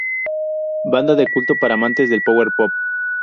Banda de culto para amantes del Power Pop.